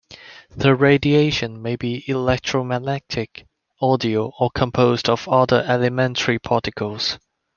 The radiation may be electromagnetic, audio or composed of other elementary particles.